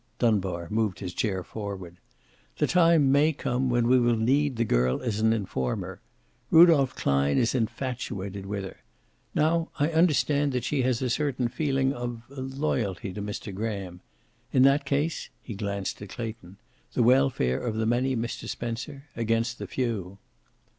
Dunbar moved his chair forward. "The time may come when we will need the girl as an informer. Rudolph Klein is infatuated with her. Now I understand that she has a certain feeling of loyalty to Mr. Graham. In that case" he glanced at Clayton "the welfare of the many, Mr. Spencer, against the few."